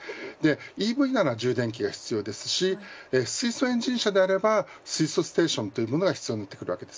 ＥＶなら充電器が必要ですし水素エンジン車であれば水素ステーションというものが必要になってくるわけです。